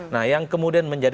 nah yang kemudian menjadi